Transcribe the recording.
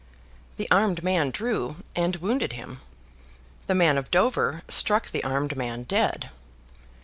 The armed man drew, and wounded him. The man of Dover struck the armed man dead.